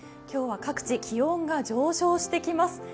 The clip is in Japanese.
今日は各地気温が上昇してきます。